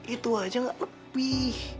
itu aja nggak lebih